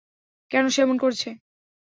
কেন সে এমন করেছে।